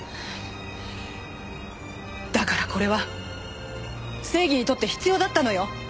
だからこれは正義にとって必要だったのよ。